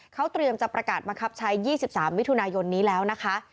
เขาเตรียมจะประกาศบังคับใช้๒๓มิถุนายนนี้แล้วนะคะ